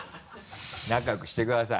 仲良くしてください。